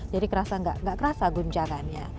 jadi kerasa gak gak kerasa guncangannya